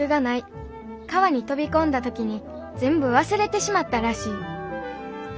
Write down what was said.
川に飛び込んだ時に全部忘れてしまったらしい。